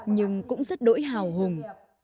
nhưng cũng rất đỗi hào hùng